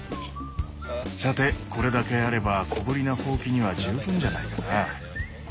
さてこれだけあれば小ぶりなホウキには十分じゃないかな。